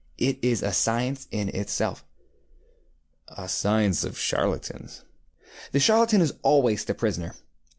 It is a science in itself. ŌĆØ ŌĆ£A science of charlatans. ŌĆØ ŌĆ£The charlatan is always the pioneer.